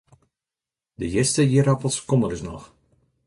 De hjitste ierappels komme dus noch.